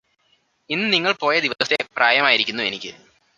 ഇന്ന് നിങ്ങള് പോയ ദിവസത്തെ പ്രായമായിരിക്കുന്നു എനിക്ക്